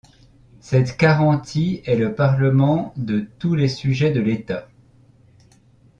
Cette quarantie est le parlement de tous les sujets de l'État.